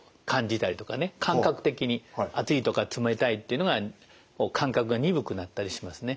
感覚的に熱いとか冷たいっていうのが感覚が鈍くなったりしますね。